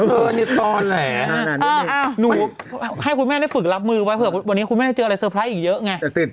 ในตอนแหลหนูให้คุณแม่ได้ฝึกรับมือไว้เผื่อวันนี้คุณแม่ได้เจออะไรเซอร์ไพรส์อีกเยอะไง